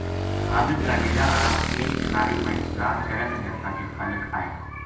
خالق کا ڈیرا ہالا کیل کناری ما انتظار کرے لگا تھا جے خالق آئے